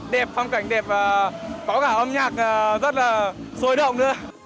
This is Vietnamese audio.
đẹp phong cảnh đẹp có cả âm nhạc rất là sôi động